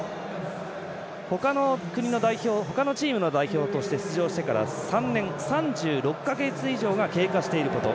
他の国の代表、他のチームの代表として出場してから３年３６か月以上が経過していること。